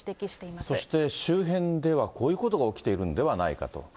そして、周辺ではこういうことが起きているんではないかと。